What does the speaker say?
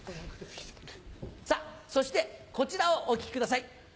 さぁそしてこちらをお聴きください。